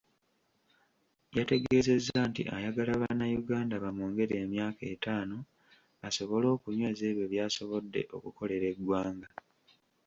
Yategeezezza nti ayagala Bannayuganda bamwongere emyaka etaano asobole okunyweza ebyo by'asobodde okukolera eggwanga.